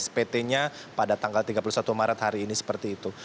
spt nya pada tanggal tiga puluh satu maret hari ini seperti itu